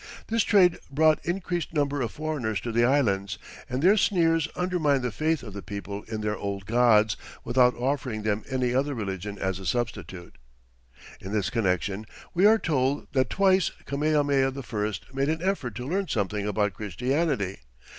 This trade brought increased numbers of foreigners to the Islands, and their sneers undermined the faith of the people in their old gods without offering them any other religion as a substitute. In this connection, we are told that twice Kamehameha I made an effort to learn something about Christianity.